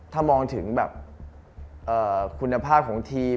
ถ้าบอกถึงคุณภาพของทีม